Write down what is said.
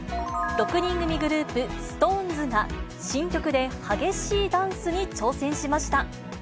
６人組グループ、ＳｉｘＴＯＮＥＳが、新曲で激しいダンスに挑戦しました。